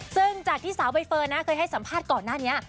ซึ่งจากที่สาวใบเฟิร์นนะเคยให้สัมภาษณ์ก่อนหน้านี้